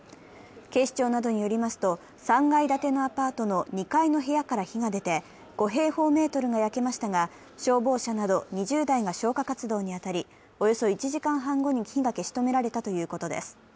警視庁などによりますと３階建てのアパートの２階の部屋から火が出て、５平方メートルが焼けましたが、消防車など２０台が消火活動に当たりおよそ１時間半後に火が消し止められたということです。